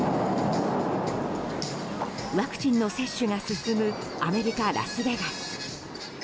ワクチンの接種が進むアメリカ・ラスベガス。